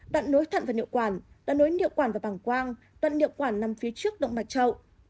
đoạn nối thận vào niệu quản đoạn nối niệu quản vào bảng quang đoạn niệu quản nằm phía trước động mạch trậu